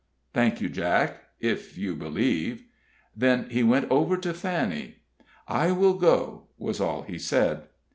"Thank you, Jack if you believe!" Then he went over to Fanny. "I will go," was all he said.